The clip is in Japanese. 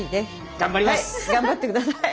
頑張って下さい。